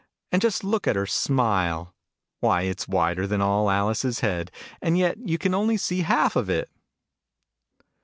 And just look at her smile ! Why, it's wider than all Alice's head : and yet you can only see half of it